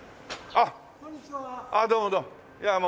ああどうもどうも。